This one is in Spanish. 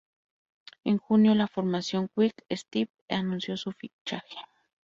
En junio la formación Quick Step anunció su fichaje.